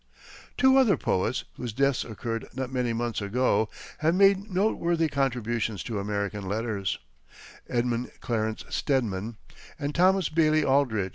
Two other poets, whose deaths occurred not many months ago, have made noteworthy contributions to American letters Edmund Clarence Stedman and Thomas Bailey Aldrich.